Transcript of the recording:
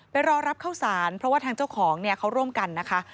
รอรับเข้าสารเพราะว่าทางเจ้าของเนี่ยเขาร่วมกันนะคะ